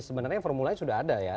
sebenarnya formulanya sudah ada ya